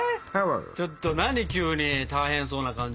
ちょっと何急に大変そうな感じ。